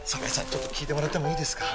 ちょっと聞いてもらってもいいですか？